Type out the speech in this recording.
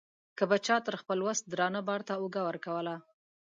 که به چا تر خپل وس درانه بار ته اوږه ورکوله.